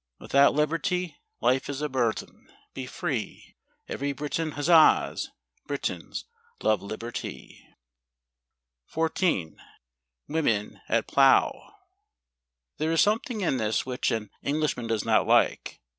Without liberty, life is a burthen—Be free, Every Briton huzzas! Britons love liberty. 14. Women at Plough. There is something in this which an English¬ man does not like.